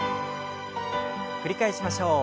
繰り返しましょう。